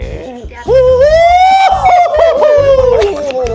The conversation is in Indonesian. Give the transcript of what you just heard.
oh pakde perih pakde